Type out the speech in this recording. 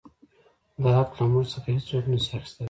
دا حـق لـه مـوږ څـخـه هـېڅوک نـه شـي اخيـستلى.